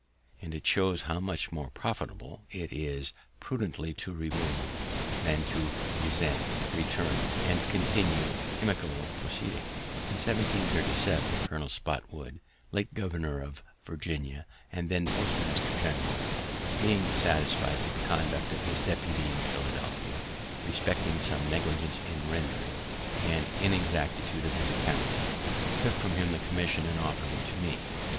"_ And it shows how much more profitable it is prudently to remove, than to resent, return, and continue inimical proceedings. In 1737, Colonel Spotswood, late governor of Virginia, and then postmaster general, being dissatisfied with the conduct of his deputy at Philadelphia, respecting some negligence in rendering, and inexactitude of his accounts, took from him the commission and offered it to me.